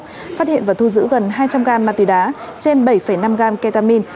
phát hiện và thu giữ gần hai trăm linh gam ma túy đá trên bảy năm gram ketamine